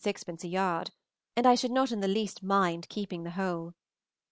_ per yard, and I should not in the least mind keeping the whole.